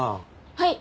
はい。